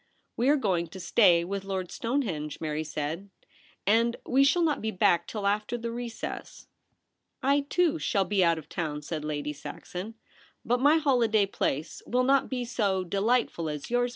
'We are going to stay with Lord Stone henge,' Mary said, ' and we shall not be back till after the recess.' * I, too, shall be out of town,' said Lady Saxon, ' but my holiday place will not be so delightful as yours.